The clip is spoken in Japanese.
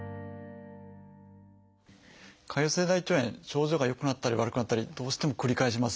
潰瘍性大腸炎症状が良くなったり悪くなったりどうしても繰り返します。